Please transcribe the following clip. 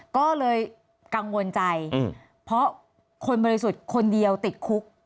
ก็เลยกังวลใจเพราะคนบริสุทธิ์คนเดียวติดคุก